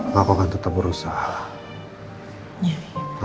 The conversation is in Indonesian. ma akan tetap berusaha lah